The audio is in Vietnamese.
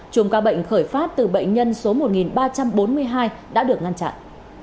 chùm ca bệnh khởi phát từ bệnh nhân số một ba trăm bốn mươi hai đã được ngăn chặn